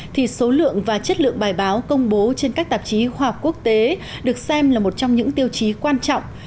thì số lượng và chất lượng bài báo công bố trên các tạp chí khoa học quốc tế được xem là một trong những tiêu chí quan trọng